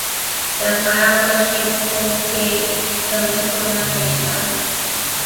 د فراه په شیب کوه کې د مسو نښې شته.